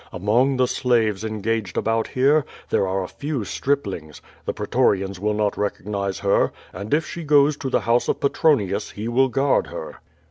Among the slaves engaged about here, there are a few strip lings; the pretorians will not recognize her, and if she goes to the house of Petronius, he will guard her.